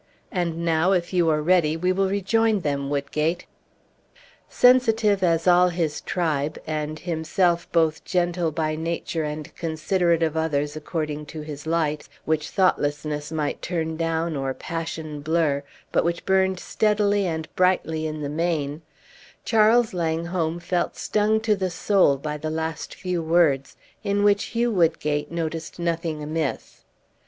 And now, if you are ready, we will join them, Woodgate." Sensitive as all his tribe, and himself both gentle by nature and considerate of others according to his lights, which thoughtlessness might turn down or passion blur, but which burned steadily and brightly in the main, Charles Langholm felt stung to the soul by the last few words, in which Hugh Woodgate noticed nothing amiss.